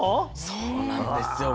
そうなんですよ。